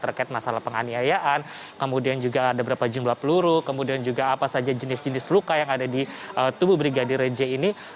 terkait masalah penganiayaan kemudian juga ada berapa jumlah peluru kemudian juga apa saja jenis jenis luka yang ada di tubuh brigadir j ini